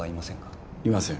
いません